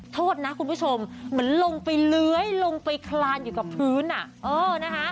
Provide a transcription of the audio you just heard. โทษนะคุณผู้ชมเหมือนลงไปเลื้อยลงไปคลานอยู่กับพื้น